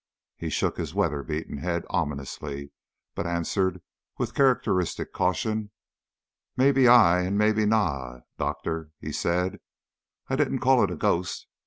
He shook his weather beaten head ominously, but answered with characteristic caution, "Mebbe aye, mebbe na, Doctor," he said; "I didna ca' it a ghaist.